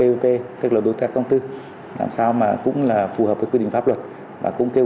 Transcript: theo hình thức là đầu tư theo công tư làm sao mà cũng là phù hợp với quy định pháp luật và cũng kêu